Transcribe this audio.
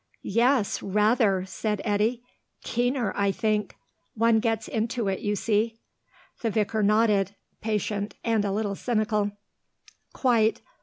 "Yes, rather," said Eddy. "Keener, I think. One gets into it, you see." The vicar nodded, patient and a little cynical. "Quite.